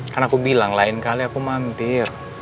kan aku bilang lain kali aku mantir